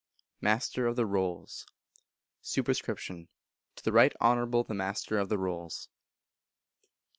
Master of the Rolls. Sup. To the Right Honourable the Master of the Rolls.